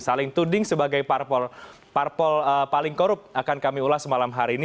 saling tuding sebagai parpol paling korup akan kami ulas malam hari ini